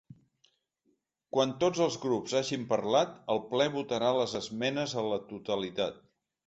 Quan tots els grups hagin parlat, el ple votarà les esmenes a la totalitat.